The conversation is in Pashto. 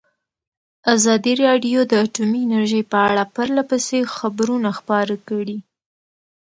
ازادي راډیو د اټومي انرژي په اړه پرله پسې خبرونه خپاره کړي.